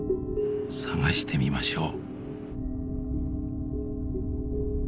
探してみましょう。